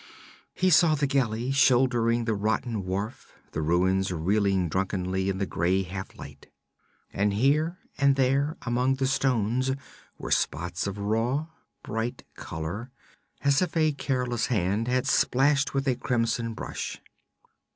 He saw the galley shouldering the rotten wharf, the ruins reeling drunkenly in the gray half light. And here and there among the stones were spots of raw bright color, as if a careless hand had splashed with a crimson brush.